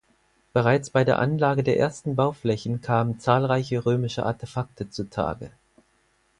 Bereits bei der Anlage der ersten Bauflächen kamen zahlreiche römische Artefakte zu Tage.